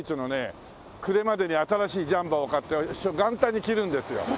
暮れまでに新しいジャンパーを買って元旦に着るんですよ。